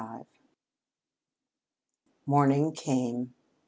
XXXV Morning came.